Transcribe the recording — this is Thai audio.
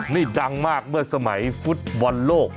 นี่ดังมากเมื่อสมัยฟุตบอลโลก